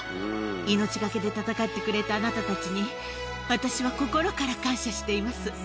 命懸けで戦ってくれたあなたたちに、私は心から感謝しています。